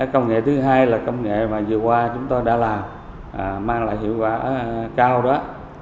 công nghệ thứ hai là công nghệ mà vừa qua chúng tôi đã làm mang lại hiệu quả cao đó